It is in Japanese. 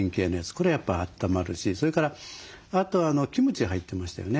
これはやっぱあったまるしそれからあとキムチ入ってましたよね。